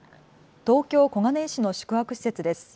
東京小金井市の宿泊施設です。